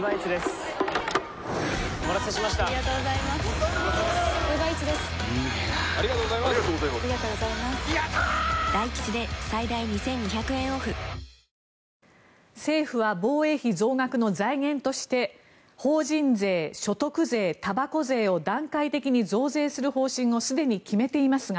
防衛力の強化を増税で賄う岸田総理に対し政府は防衛費増額の財源として法人税、所得税、たばこ税を段階的に増税する方針をすでに決めていますが